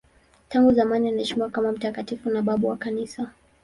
Tangu zamani anaheshimiwa kama mtakatifu na babu wa Kanisa.